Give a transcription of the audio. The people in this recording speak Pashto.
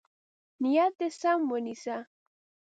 نیت دې سم ونیسه.